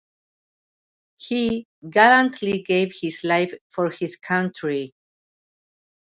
He gallantly gave his life for his country.